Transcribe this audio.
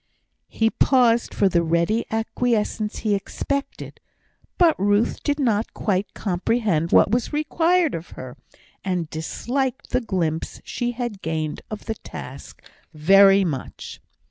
He paused for the ready acquiescence he expected. But Ruth did not quite comprehend what was required of her, and disliked the glimpse she had gained of the task very much.